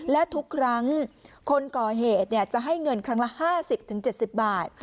และทุกครั้งคนก่อเหตุจะให้เงินครั้งละ๕๐๗๐บาท